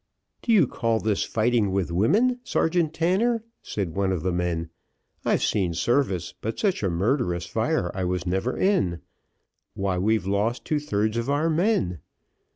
"Do you call this fighting with women, Sergeant Tanner?" said one of the men. "I've seen service, but such a murderous fire I was never in. Why, we've lost two thirds of our men."